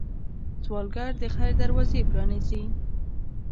سوالګر د خیر دروازې پرانيزي